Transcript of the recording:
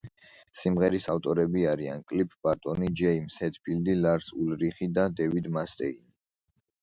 სიმღერის ავტორები არიან კლიფ ბარტონი, ჯეიმზ ჰეტფილდი, ლარს ულრიხი და დეივ მასტეინი.